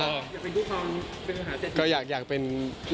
อยากเป็นที่ควรเป็นอาหารเสดที